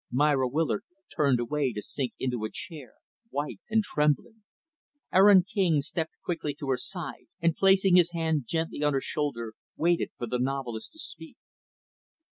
Myra Willard turned away to sink into a chair, white and trembling. Aaron King stepped quickly to her side, and, placing his hand gently on her shoulder waited for the novelist to speak.